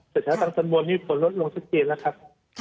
แต่แถวตรงตรวจนี่ฝนลดลงสักทีแล้วครับ